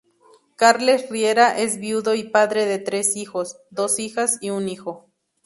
Carles Riera es viudo y padre de tres hijos: dos hijas y un hijo.